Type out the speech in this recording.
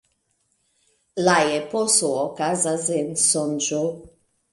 La eposo okazas en sonĝo.